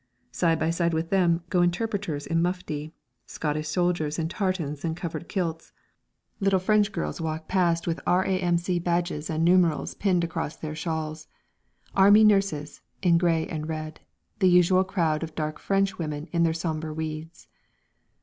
Side by side with them go interpreters in mufti, Scottish soldiers in tartans and covered kilts. Little French girls walk past with R.A.M.C. badges and numerals pinned across their shawls; Army nurses, in grey and red; the usual crowd of dark Frenchwomen in their sombre weeds.